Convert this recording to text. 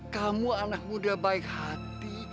kamu anak muda baik hati